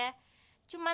cuman taunya tuh